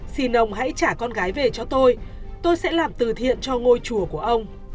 xin ông hãy trả con gái về cho tôi tôi sẽ làm từ thiện cho ngôi chùa của ông